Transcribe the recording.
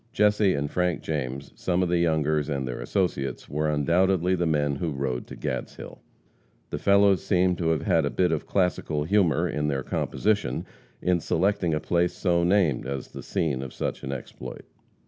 Jesse and Frank James, some of the Youngers and their associates, were undoubtedly the men who rode to Gadshill. The fellows seemed to have had a bit of classical humor in their composition in selecting a place so named as the scene of such an exploit.